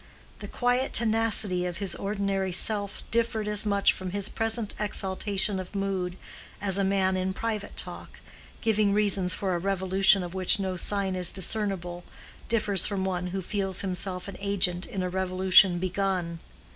The quiet tenacity of his ordinary self differed as much from his present exaltation of mood as a man in private talk, giving reasons for a revolution of which no sign is discernable, differs from one who feels himself an agent in a revolution begun.